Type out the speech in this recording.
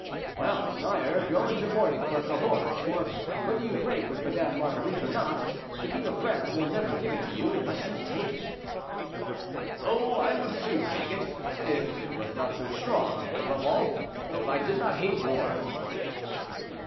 "Well, sire, go into mourning for Cahors; for, whether you break with Madame Marguerite or not, the king of France will never give it to you, and unless you take it—" "Oh, I would soon take it, if it was not so strong, and, above all, if I did not hate war."